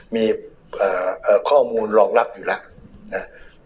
มีเอ่อเอ่อข้อมูลรองรับอยู่แล้วนะฮะ